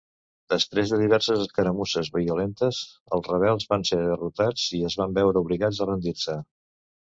Després de diverses escaramusses violentes, els rebels van ser derrotats i es van veure obligats a rendir-se.